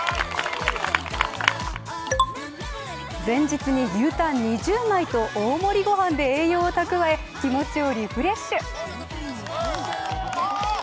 前日に牛タン２０枚と大盛り御飯で栄養を蓄え、気持ちをリフレッシュ。